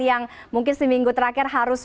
yang mungkin seminggu terakhir harus